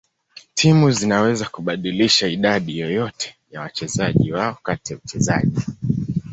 Timu zinaweza kubadilisha idadi yoyote ya wachezaji wao kati ya uchezaji.